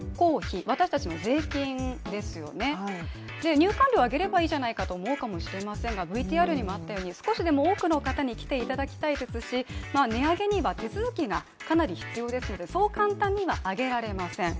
入館料を上げればいいじゃないかと思いますがＶＴＲにもあったように少しでも多くの方に来ていただきたいですし値上げには手続きが必要ですのでそう簡単には上げられません。